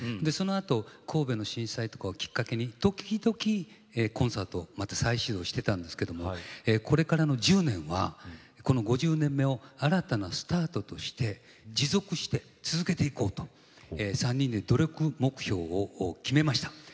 そのあと神戸の震災とかをきっかけに時々コンサートをまた再始動してたんですけどもこれからの１０年はこの５０年目を新たなスタートとして持続して続けていこうと３人で努力目標を決めました。